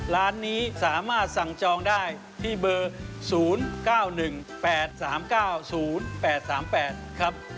ร้านนี้สามารถสั่งจองได้ที่เบอร์๐๙๑๘๓๙๐๘๓๘ครับ